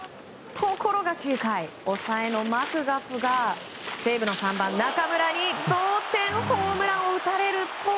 ところが９回抑えのマクガフが西武の３番、中村に同点ホームランを打たれると。